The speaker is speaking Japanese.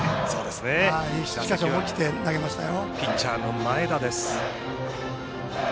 しかし思い切って投げましたよ。